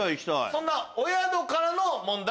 そんなお宿からの問題